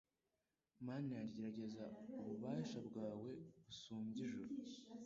Mana yanjye garagaza ububasha bwawe busumbye ijuru